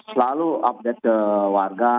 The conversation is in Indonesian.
selalu update ke warga